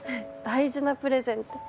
大事なプレゼンって。